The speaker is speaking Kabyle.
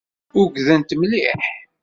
Ugdent mliḥ.